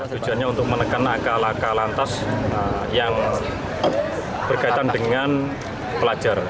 tujuannya untuk menekan angka angka lantas yang berkaitan dengan pelajar